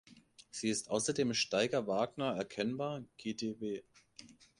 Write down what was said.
Sie ist außerdem Staiger-Wagner-erkennbar, gdw.